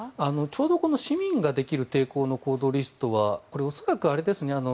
ちょうど市民ができる抵抗の行動リストはこれ、恐らくあれですね。